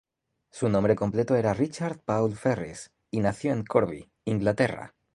Su nombre completo era Richard Paul Ferris, y nació en Corby, Inglaterra.